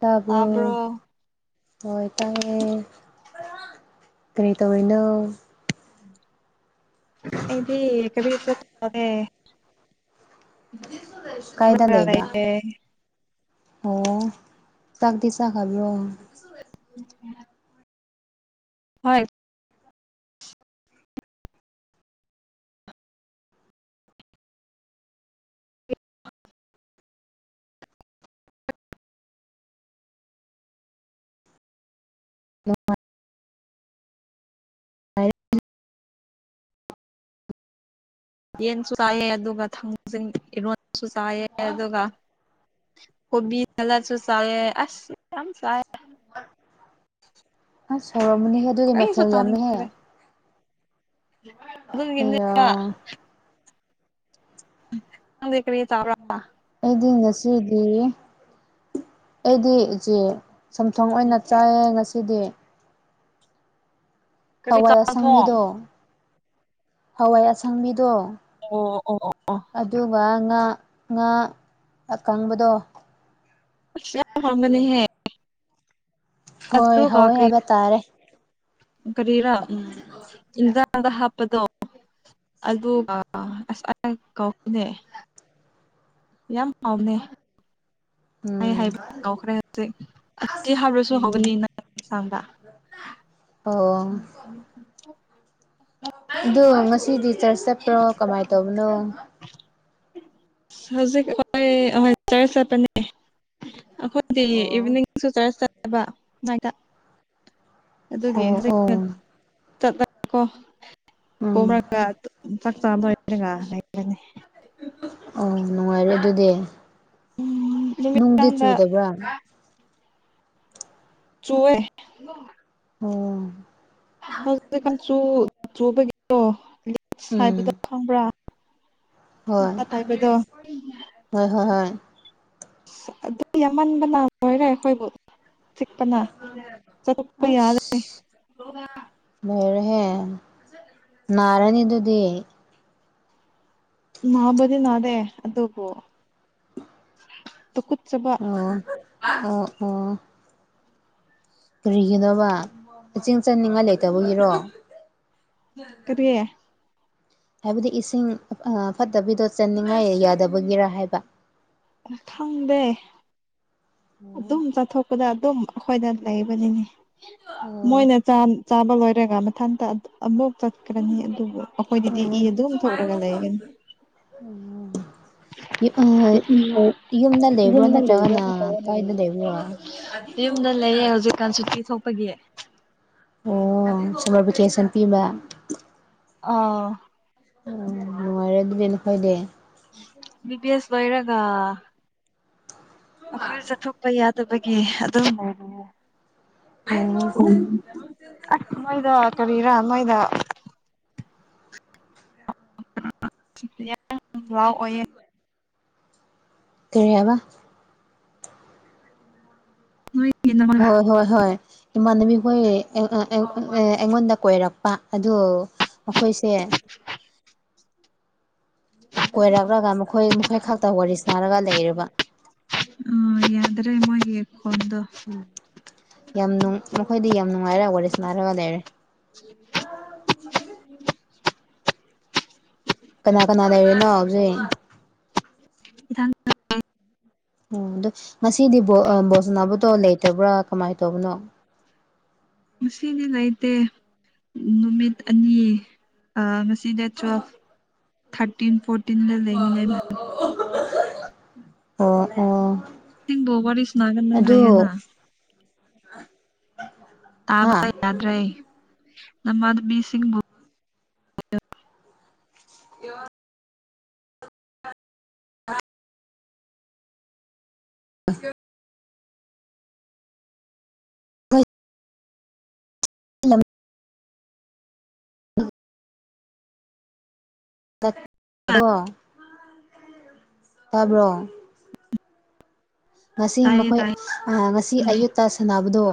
ꯇꯥꯔꯕ ꯇꯥꯕ꯭ꯔꯣ ꯍꯣꯏ ꯇꯦ ꯀꯔꯤ ꯇꯧꯅꯣ ꯏꯗꯤ ꯀꯔꯤꯁꯨ ꯀꯥꯏꯗ ꯂꯩꯒꯦ ꯂꯩꯕ ꯑꯣ ꯆꯥꯛꯗꯤ ꯁꯥ ꯈꯔꯑꯣ [unintelligible] ꯍꯣꯏ [unintelligible] ꯌꯦꯟꯁꯨ ꯆꯥꯏꯑꯦ ꯑꯗꯨꯒ ꯊꯥꯡ ꯏꯔꯣꯟꯁꯨ ꯆꯥꯏꯑ ꯑꯗꯨꯒ ꯀꯣꯕꯤ ꯅꯂꯁꯨ ꯆꯥꯏꯦ ꯑꯁ ꯌꯥꯝ ꯆ ꯑ ꯆꯣꯔꯃꯅꯤ ꯍꯦ ꯀ ꯁꯠꯇꯦ ꯑꯌꯥ ꯀꯔꯤ ꯆꯥ ꯑꯩꯗꯤ ꯉꯁꯤꯗꯤ ꯑꯩꯗꯤ ꯏꯆꯦ ꯁꯝꯊꯣꯡ ꯑꯣꯏꯅ ꯆꯥꯏꯌꯦ ꯉꯁꯤꯗꯤ ꯀꯔꯤ ꯍꯋꯥꯏ ꯆꯥꯊꯣꯡ ꯑꯁꯪꯕꯤꯗꯣ ꯍꯋꯥꯏ ꯑꯁꯪ ꯃꯤꯗꯣ ꯑꯣ ꯑꯣ ꯑꯣ ꯑꯣ ꯑꯗꯨꯒ ꯉꯥ ꯉꯥ ꯑꯀꯪꯕꯗꯣ ꯐꯒꯅꯤ ꯍꯥꯎꯔꯝꯒꯅꯤꯍꯦ ꯍꯣꯏ ꯑꯗꯨꯒ ꯍꯋꯦ ꯀꯔꯤ ꯍꯥꯏꯕ ꯇꯥꯔꯦ ꯀꯔꯤꯔꯥ ꯎꯝ ꯏ ꯗ ꯍꯥꯞꯄꯗꯣ ꯑꯗꯨꯒ ꯑꯁ ꯑ ꯀꯥꯎꯅꯦ ꯌꯥꯝ ꯍꯥꯎꯅꯦ ꯑꯩ ꯎꯝ ꯍꯥꯏꯕ ꯍꯧꯈ꯭ꯔꯦ ꯍꯧꯖꯤꯛ ꯑꯁꯤ ꯍꯥꯔꯁꯨ ꯎꯝ ꯍꯒꯅꯤ ꯅꯪ ꯌꯦꯟꯁꯥꯡꯗ ꯑꯣ ꯑꯗꯣ ꯉꯁꯤꯗꯤ ꯆꯔꯆ ꯆꯠꯄ꯭ꯔꯣ ꯀꯃꯥꯏꯅ ꯇꯧꯕꯅꯣ ꯍꯧꯖꯤꯛ ꯆꯔ ꯆꯔ ꯄ ꯑꯦ ꯑꯩꯈꯣꯏꯗꯤ ꯑꯣ ꯏꯚꯤꯅꯤꯡꯁꯨ ꯆꯔꯁ ꯆꯠꯂꯕ ꯑꯗꯨꯒꯤ ꯑꯣ ꯑꯣ ꯍꯧꯖꯤꯠꯂꯣ ꯎꯝ ꯀꯣꯔꯒ ꯐ ꯇꯔꯒꯅꯤ ꯑꯣ ꯅꯨꯡꯉꯥꯏꯔꯦ ꯑꯗꯨꯗꯤ ꯎꯝ ꯅꯨꯡꯗꯤ ꯅꯨꯃꯤꯗꯥꯡꯗ ꯆꯨꯗꯕ꯭ꯔꯥ ꯆꯨꯋꯦ ꯑꯣꯝ ꯍꯧꯖꯤꯇꯤ ꯀꯥꯡꯆꯨ ꯆꯨꯕꯒꯤꯗꯣ ꯎꯝ ꯍꯥꯏꯕꯗ ꯈꯪꯕ꯭ꯔꯥ ꯍꯣꯏ ꯇꯥꯏꯕꯗꯣ ꯍꯣꯏ ꯍꯣꯏ ꯍꯣꯏ ꯑꯗꯨ ꯌꯥꯝꯃꯟꯕ ꯂꯥꯛꯃꯣꯏꯔꯦ ꯑꯩꯈꯣꯏꯕꯨ ꯆꯤꯛꯄꯅ ꯆꯠꯄ ꯌꯥꯔꯦ ꯂꯩꯔꯍꯦ ꯅꯥꯔꯅꯤ ꯑꯗꯨꯗꯤ ꯃꯥꯕꯗꯤ ꯅꯗꯦ ꯑꯗꯣꯄꯣ ꯇꯨ ꯀꯨꯠꯆꯕ ꯑꯣꯝ ꯑꯣ ꯑꯣꯝ ꯀ꯭ꯔꯤꯒꯤꯅꫭꯕꯥ ꯆꯤꯡ ꯆꯟꯅꯤꯡꯉꯥꯏ ꯂꯩꯇꯕꯒꯤꯔꯣ ꯀꯔꯤ ꯍꯥꯏꯕꯗꯤ ꯏꯁꯤꯡ ꯐꯠꯇꯕꯤꯗꯣ ꯆꯟꯅꯤꯡꯉꯥꯏ ꯌꯥꯗꯕꯒꯤꯔ ꯍꯥꯏꯕ ꯈꯪꯗꯦ ꯑꯗꯨꯝ ꯆꯠꯊꯣꯛꯄꯗ ꯑꯗꯨꯝ ꯑꯩꯈꯣꯏꯗ ꯂꯩꯕꯅꯤꯅꯦ ꯑꯣ ꯃꯣꯏꯅ ꯆꯥꯕ ꯂꯣꯏꯔꯒ ꯃꯊꯟꯇ ꯑꯃꯨꯛ ꯆꯠ ꯆꯅꯤ ꯑꯗꯨꯕꯨ ꯑꯩꯈꯣꯏꯗꯤꯗꯤ ꯏ ꯑꯗꯨꯝ ꯊꯣꯛꯔꯒ ꯂꯩꯒꯅꯤ ꯎꯝ [unintelligible] ꯌꯨꯝꯗ ꯂꯩꯕ꯭ꯔꯥ ꯅꯠꯇ꯭ꯔꯒꯅ ꯀꯥꯏꯗ ꯂꯩꯕ꯭ꯔꯣ ꯌꯨꯝꯗ ꯂꯩꯌꯦ ꯍꯧꯖꯤꯛꯀꯥꯟ ꯁꯨꯇꯤ ꯊꯣꯛꯄꯒꯤ ꯑꯣ ꯁꯃꯔ ꯚꯦꯀꯦꯁꯟ ꯄꯤꯕ ꯑꯥꯎ ꯎꯝ ꯅꯨꯡꯉꯥꯏꯔꯦ ꯑꯗꯨꯗꯤ ꯅꯈꫭꯏꯗꯤ ꯕꯤꯕꯤ ꯑꯦꯁ ꯂꯣꯏꯔꯒ ꯑꯩꯈꯣꯏ ꯆꯠꯊꯣꯛꯄ ꯌꯥ ꯑꯗꯨꯕꯒꯤ ꯑꯗꯨꯝ ꯑꯣꯏ ꯎꯝ ꯑꯁ ꯃꯩꯗ ꯀꯔꯤꯔꯥ ꯃꯣꯏꯗ ꯂꯥꯎ ꯑꯣꯏꯌꯦ ꯀꯔꯤ ꯍꯥꯏꯕ ꯅꯣꯏ ꯍꯣꯏ ꯍꯣꯏ ꯍꯣꯏ ꯏꯃꯥꯟꯅꯕꯤ ꯍꯣꯏ ꯑꯩꯉꯣꯟꯗ ꯀꯣꯏꯔꯛꯄ ꯑꯗꯨꯣ ꯑꯩꯈꯣꯏꯁꯦ ꯀꯣꯏꯔꯛꯂꯒ ꯃꯈꯣꯏ ꯃꯈꯣꯏ ꯈꯛꯇ ꯋꯥꯔꯤ ꯁꯥꯔꯒ ꯂꯩꯔꯔꯕ ꯌꯥꯗ꯭ꯔꯦ ꯃꯣꯏꯒꯤ ꯐꯣꯟꯗꫭ ꯎꯝ ꯌꯥꯝ ꯅꯨꯡ ꯃꯈꯣꯏꯗꯤ ꯌꯥꯝ ꯅꯨꯡꯉꯥꯏꯔꯒ ꯋꯥꯔꯤꯁꯅꯥꯔꯒ ꯂꯩꯔꯦ ꯀꯅꯥ ꯀꯅꯥ ꯂꯩꯔꯤꯅꯣ ꯍꯧꯖꯤꯛ ꯏꯊꯟ ꯑꯣ ꯑꯗ ꯉꯁꯤꯗꯤ ꯕꯣꯁꯅꯥꯕꯨꯇꯣ ꯂꯩꯇꯕ꯭ꯔꯥ ꯀꯃꯥꯏꯅ ꯇꯧꯕꯅꯣ ꯉꯁꯤꯗꯤ ꯂꯩꯇꯦ ꯅꯨꯃꯤꯠ ꯑꯅꯤ ꯁꯤꯗ ꯇꯨꯋꯦꯜꯐ ꯊꯥꯔꯇꯤꯟ ꯐꯣꯔꯇꯤꯟꯗ ꯂꯩꯅꯦꯅ ꯑꯣ ꯑꯣ ꯊꯤꯡ ꯕꯣ ꯋꯥꯔꯤ ꯁꯅꯥꯒꯅ ꯍꯥꯏꯌꯦꯅ ꯑ [unintelligible] ꯇꯥꯕ ꯌꯥꯗ꯭ꯔꯦ ꯅꯃ ꯑꯗꯨ ꯕꯤ ꯁꯤ ꯌ [unintelligible] ꯑꯦ [unintelligible] ꯍꯣꯏ [unintelligible] [unintelligible] ꯗꯣ ꯇꯥꯕ꯭ꯔꯣ ꯉꯁꯤ ꯇꯥꯏꯌꯦ ꯃꯈꯣꯏ ꯇꯥꯏꯌꯦ ꯉꯁꯤ ꯑꯌꯨꯠꯇ ꯁꯥꯟꯅꯕꯗꯣ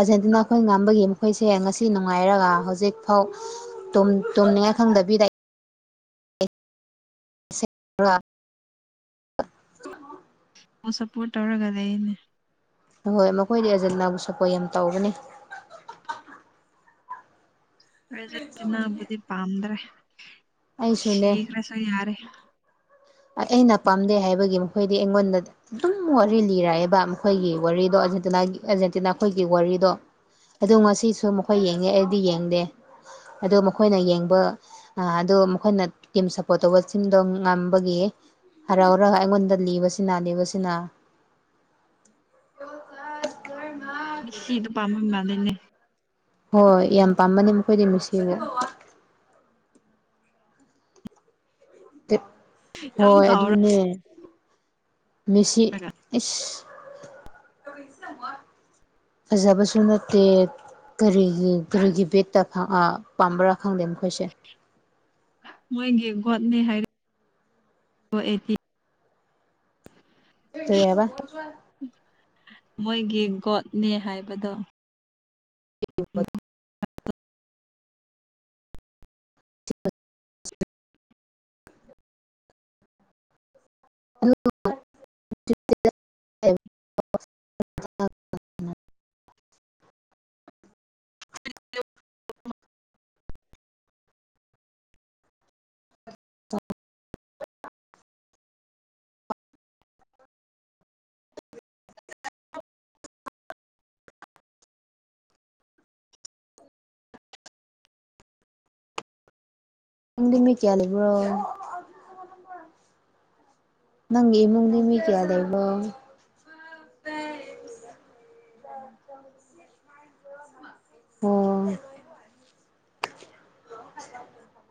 ꯑꯖꯦꯟꯇꯤꯅꯥ ꯑꯩꯈꯣꯏ ꯉꯝꯕꯒꯤ ꯃꯈꯣꯏꯁꯦ ꯉꯁꯤ ꯅꯨꯡꯉꯥꯏꯔꯒ ꯍꯧꯖꯤꯛꯐꯥꯎ ꯇꯨꯝꯅꯤꯡꯉꯥꯏ ꯈꯪꯗꯕꯤꯗ ꯑ꯫ [unintelligible] ꯑꯣ ꯁꯞꯄꯣꯔ꯭ꯠ ꯇꯧꯔꯒ ꯂꯩꯅꯦ ꯑ ꯫ꯍꯣꯏ ꯃꯈꯣꯏꯗꯤ ꯑꯦꯖꯟꯅꯥꯕꯨ ꯁꯄꫭꯠ ꯌꯥꯝ ꯇꯧꯕꯅꯤ ꯅꯕꯨꯗꯤ ꯄꯥꯝꯗ꯭ꯔꯦ ꯑꯩꯁꯨꯅꯦ ꯁꯤꯈ꯭ꯔꯦꯁꯨꯣ ꯌꯥꯔꯦ ꯑꯩꯅ꯫ ꯄꯥꯝꯗꯦ ꯍꯥꯏꯕꯒꯤ ꯃꯈꯣꯏꯗꯤ ꯑꯩꯉꯣꯟꯗ ꯑꯗꯨꯝ ꯋꯥꯔꯤ ꯂꯤꯔꯑꯦꯕ ꯃꯈꯣꯏꯒꯤ ꯋꯥꯔꯤꯗꯣ ꯑꯖꯦꯟꯤꯒꯤ ꯑꯥꯔꯖꯦꯟꯇꯤꯅꯥ ꯑꯩꯈꯣꯏꯒꯤ ꯋꯥꯔꯤꯗꯣ ꯑꯗꯣ꯫ ꯉꯁꯤꯁꯨ ꯃꯈꯣꯏ ꯌꯦꯡꯉꯦ ꯑꯩꯗꯤ ꯌꯦꯡꯗꯦ ꯑꯗ ꯃꯈꯣꯏꯅ ꯌꯦꯡꯕ ꯑꯗꯣ ꯃꯈꯣꯏꯅ ꯇꯤꯝ ꯁꯄꯣꯔ꯭ꯠ ꯇꯧꯕ ꯁꯤꯡꯗꯣ ꯒꯤ ꯍꯔꯥꯎ ꯍꯔꯒ ꯑꯩꯉꯣꯟꯗ ꯂꯤꯕꯁꯤꯅ ꯂꯤꯕꯁꯤꯅ ꯑꯀꯥꯁ ꯀꯔꯃ ꯁꯤꯗ ꯄꯥꯝ ꯃꯥꯗꯅꯦ ꯍꯣꯏ ꯌꯥꯝ ꯄꯥꯝꯕꯅꯤ ꯃꯈꯣꯏꯗꯤ ꯅꯨꯡꯁꯤꯕ ꯌꯥꯝ ꯍꯣꯏ ꯑꯗꯨꯅꯦ ꯆꯥꯎꯔꯒ ꯃꯦꯁꯤ ꯐꯖꯕꯁꯨ ꯅꯠꯇꯦ ꯀꯔꯤꯒꯤ ꯀꯔꯤꯒꯤ ꯕꯦꯠꯇ ꯄꯥꯝꯕ꯭ꯔꯥ ꯈꯪꯗꯦ ꯃꯈꯣꯏꯁꯦ ꯃꯣꯏ꯫ꯒꯤ ꯒꯣꯠꯅꯦ ꯍꯥꯏꯔ ꯇꯕ ꯃꯣꯏꯒꯤ ꯒꯣꯠꯅꯦ ꯍꯥꯏꯕꯗꯣ [unintelligible] [unintelligible] [unintelligible] ꯏꯪꯗꯨ꯫ꯃꯤ ꯀꯌꯥ ꯂꯩꯕ꯭ꯔꯣ ꯅꯪꯒꯤ ꯏꯃꯨꯡꯗꯤ ꯃꯤ ꯀꯌꯥ ꯂꯩꯕꯣ ꯆꯣ꯫ ꯑꯣ ꯐ